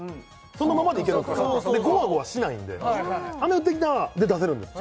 そのままでいけるんですからゴワゴワしないんで雨降ってきたで出せるんです